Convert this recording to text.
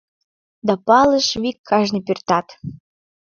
Да палыш вик кажне пӧртат...